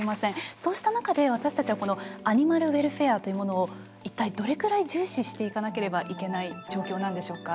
そうした中で私たちはこのアニマルウェルフェアというものを一体どれくらい重視していかなければいけない状況なんでしょうか？